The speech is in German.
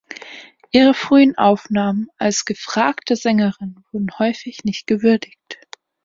Ihre frühen Aufnahmen als gefragte Sängerin wurden häufig nicht gewürdigt.